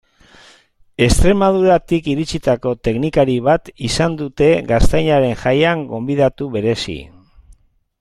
Extremaduratik iritsitako teknikari bat izan dute Gaztainaren Jaian gonbidatu berezi.